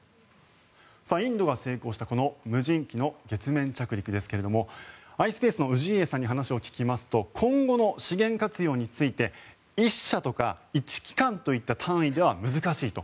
インドが成功したこの無人機の月面着陸ですがｉｓｐａｃｅの氏家さんに話を聞きますと今後の資源活用について１社とか１機関といった単位では難しいと。